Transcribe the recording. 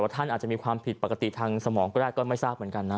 ท่านอาจจะมีความผิดปกติทางสมองก็ได้ก็ไม่ทราบเหมือนกันนะ